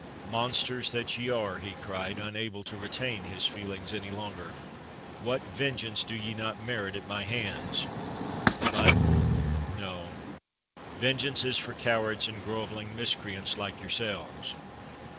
Monsters that ye are!" he cried, unable to retain his feelings any longer; "what vengeance do ye not merit at my hands? But, no—vengeance is for cowards and grovelling miscreants like yourselves!